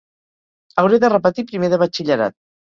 Hauré de repetir primer de batxillerat.